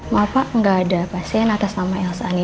maaf pak nggak ada pasien atas nama elsa